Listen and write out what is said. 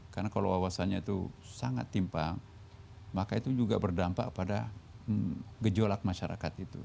karena kalau wawasannya itu sangat timpang maka itu juga berdampak pada gejolak masyarakat itu